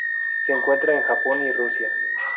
Se encuentra en Japón y Rusia.